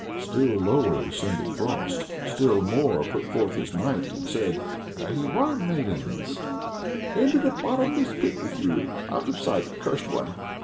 Still lower descended Frost, still more put forth his might, and said: "Are ye warm, maidens?" "Into the bottomless pit with you! Out of sight, accursed one!"